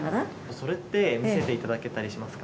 それって見せていただけたりしますか？